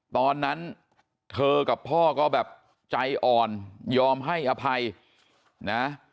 ตอนนั้นเธอกับพ่อก็แบบใจอ่อนยอมให้อภัยนะ